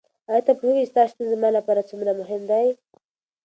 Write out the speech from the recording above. ایا ته پوهېږې چې ستا شتون زما لپاره څومره مهم دی؟